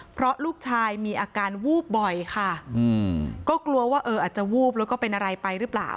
เพราะลูกชายมีอาการวูบบ่อยค่ะก็กลัวว่าเอออาจจะวูบแล้วก็เป็นอะไรไปหรือเปล่า